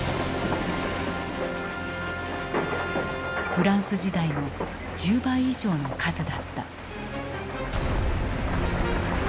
フランス時代の１０倍以上の数だった。